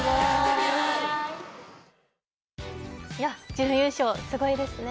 準優勝、すごいですね。